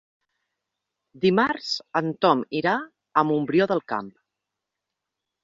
Dimarts en Tom irà a Montbrió del Camp.